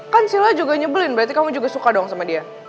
kan sila juga nyebelin berarti kamu juga suka dong sama dia